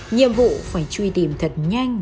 nhiệm vụ phải truy tìm thật nhanh